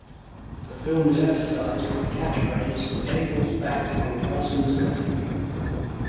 The film was advertised with the catch-phrase Gable's back and Garson's got him!